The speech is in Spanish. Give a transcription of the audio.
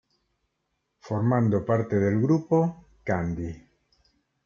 Formando parte del grupo, Candy.